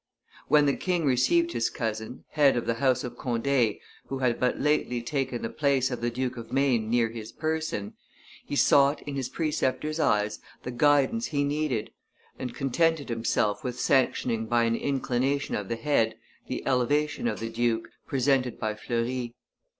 When the king received his cousin, head of the house of Conde, who had but lately taken the place of the Duke of Maine near his person, he sought in his preceptor's eyes the guidance he needed, and contented himself with sanctioning by an inclination of the head the elevation of the duke, presented by Fleury.